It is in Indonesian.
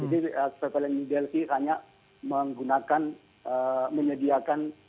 jadi ppln new delhi hanya menggunakan menyediakan